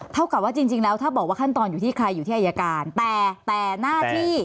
เท่ากับว่าจริงแล้วถ้าบอกว่าขั้นตอนอยู่ที่ใครอยู่ที่อายการแต่แต่หน้าที่